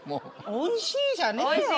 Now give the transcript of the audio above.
「おいしい」じゃねえよ。